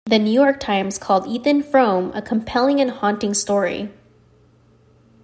"The New York Times" called "Ethan Frome" "a compelling and haunting story.